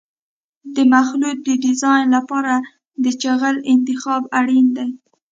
د مخلوط د ډیزاین لپاره د جغل انتخاب اړین دی